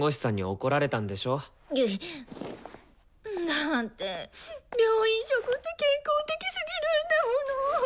だって病院食って健康的すぎるんだもの。